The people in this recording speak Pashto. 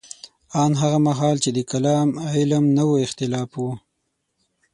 ان هغه مهال چې د کلام علم نه و اختلاف وو.